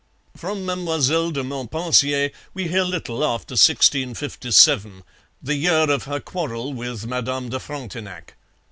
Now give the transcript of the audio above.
From Mademoiselle de Montpensier we hear little after 1657, the year of her quarrel with Madame de Frontenac.